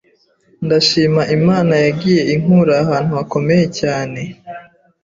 Ndashima Imana yagiye inkura ahantu hakomeye cyane